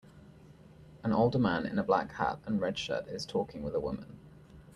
An older man in a black hat and red shirt is talking with a woman.